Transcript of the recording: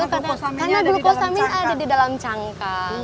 karena glukosaminnya ada di dalam cangkang